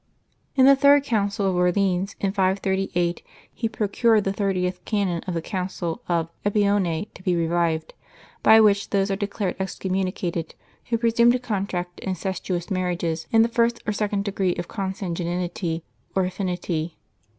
Masch 2] LIVES OF THE SAINTS 93 In the third Council of Orleans, in 538, lie procured the thirtieth canon of the Council of Epaone to be revived, by which those are declared excommunicated who presume to contract incestuous marriages in the first or second degree of consanguinity or affinity.